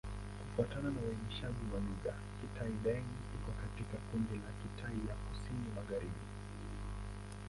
Kufuatana na uainishaji wa lugha, Kitai-Daeng iko katika kundi la Kitai ya Kusini-Magharibi.